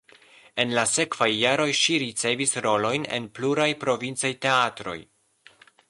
En la sekvaj jaroj ŝi ricevis rolojn en pluraj provincaj teatroj.